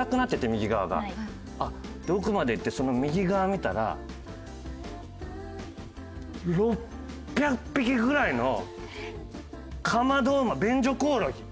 奥まで行ってその右側見たら６００匹ぐらいのカマドウマ便所コオロギ。